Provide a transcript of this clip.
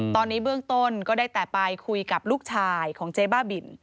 ตอนนี้เบื้องต้นก็ได้แต่ไปคุยกับลูกชายของเจ๊บ้าบิน